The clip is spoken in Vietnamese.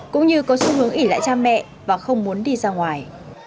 cũng như có xu hướng ỉ lại cha mẹ và không muốn đi ra ngoài